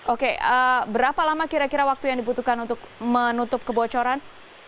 oke berapa lama kira kira waktu yang dibutuhkan untuk menutup kebocoran